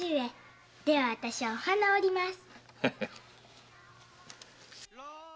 では私はお花を折ります。